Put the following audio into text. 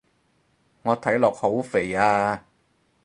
我睇落好肥啊